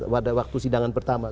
pada waktu sidangan pertama